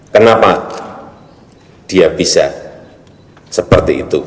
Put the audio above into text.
kenapa dia bisa seperti itu